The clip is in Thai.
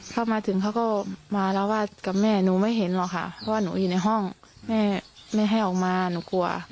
เข้ามาถึงเขาก็มาราวาสกับแม่หนูไม่เห็นหรอกค่ะเพราะว่าหนูอยู่ในห้องแม่ไม่ให้ออกมาหนูกลัว